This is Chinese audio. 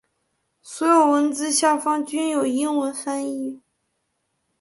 所有文字下方均有英文翻译。